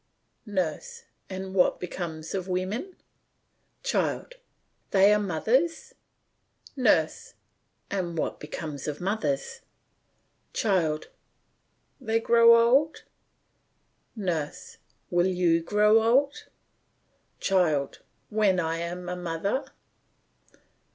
NURSE: And what becomes of women! CHILD: They are mothers. NURSE: And what becomes of mothers? CHILD: They grow old. NURSE: Will you grow old? CHILD: When I am a mother.